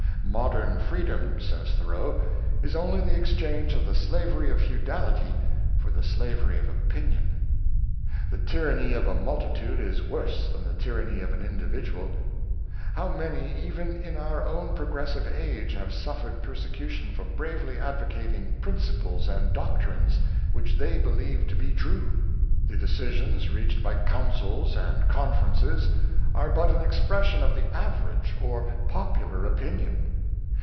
" Modern freedom," says Thoreau, ^' is only the exchange of the slavery of feudality for the slavery of opinion." The tyranny of a multitude is worse than the tyranny of an individual. " How many, even in our own progressive age, have suffered persecu tion for bravely advocating principles and doctrines which they believed to be true.^ The decisions reached by counsels and conferences are but an expression of the average or popular opinion.